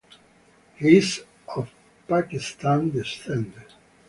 He is of Pakistani descent.